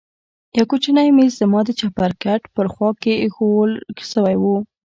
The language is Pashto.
يو کوچنى ميز زما د چپرکټ په خوا کښې ايښوول سوى و.